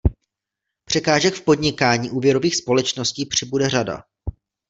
Překážek v podnikání úvěrových společností přibude řada.